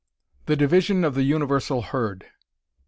_The division of the universal herd.